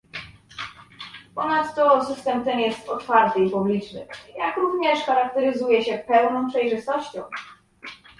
Ponadto system ten jest otwarty i publiczny, jak również charakteryzuje się pełną przejrzystością